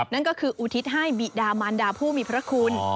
นั่นก็คืออุทิศให้บิดามันดาผู้มีพระคุณ